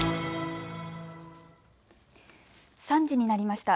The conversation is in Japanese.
３時になりました。